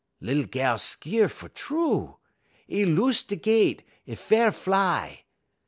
"Lil gal skeer fer true. 'E loose de gett, 'e fair fly.